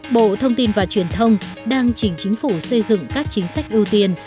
bộ thông tin và truyền thông đang chỉnh chính phủ xây dựng các chính sách ưu tiên